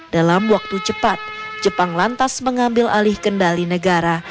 dalam waktu cepat jepang lantas mengambil alih kendali negara